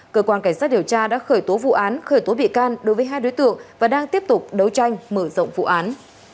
cơ quan cảnh sát điều tra đã khởi tố vụ án khởi tố bị can đối với hai đối tượng và đang tiếp tục đấu tranh mở rộng vụ án